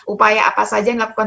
upaya apa saja yang dilakukan